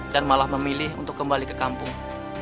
dan malah memilih untuk kembali ke kampung